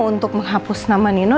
untuk menghapus nama nino